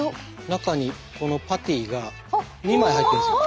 中にこのパティが２枚入ってるんですよ。